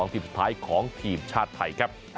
ทีมสุดท้ายของทีมชาติไทยครับ